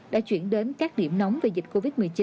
đã chuyển đến các điểm nóng về dịch covid một mươi chín